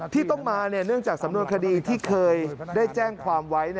ที่ต้องมาเนื่องจากสำนวนคดีที่เคยได้แจ้งความไว้